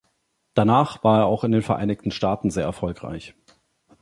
Danach war er auch in den Vereinigten Staaten sehr erfolgreich.